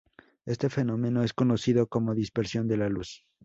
Este fenómeno es conocido como dispersión de la luz.